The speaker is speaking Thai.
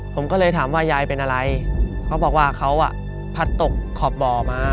ผมก็เลยถามว่ายายเป็นอะไรเขาบอกว่าเขาอ่ะพัดตกขอบบ่อมา